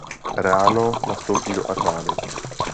Ráno nastoupí do armády.